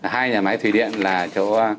hai nhà máy thủy điện là chỗ